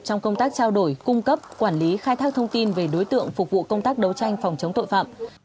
trong công tác trao đổi cung cấp quản lý khai thác thông tin về đối tượng phục vụ công tác đấu tranh phòng chống tội phạm